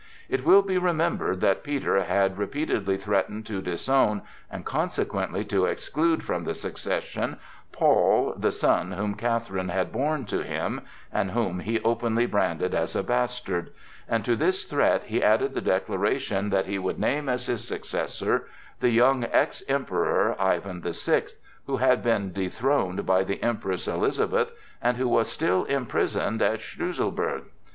It will be remembered that Peter had repeatedly threatened to disown, and consequently to exclude from the succession, Paul, the son whom Catherine had borne to him, and whom he openly branded as a bastard, and to this threat he added the declaration that he would name as his successor the young ex Emperor Ivan the Sixth, who had been dethroned by the Empress Elizabeth, and who was still imprisoned at Schlüsselburg.